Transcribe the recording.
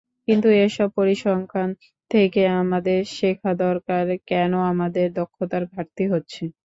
কিন্তু এসব পরিসংখ্যান থেকে আমাদের শেখা দরকার, কেন আমাদের দক্ষতার ঘাটতি হচ্ছে।